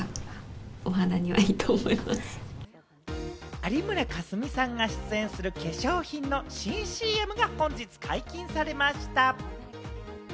有村架純さんが出演する化粧品の新ＣＭが本日解禁されました。